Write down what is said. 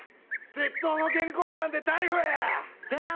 窃盗の現行犯で逮捕や！